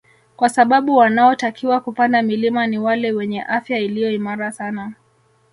Kwa sababu wanaotakiwa kupanda milima ni wale wenye afya iliyo imara sana